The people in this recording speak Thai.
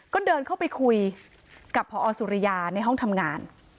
ก็เดินเข้าไปคุยกับพอสุริยาในห้องทำงาน